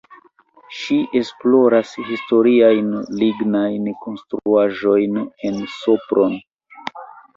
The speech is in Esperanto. Ŝi esploras historiajn lignajn konstruaĵojn en Sopron.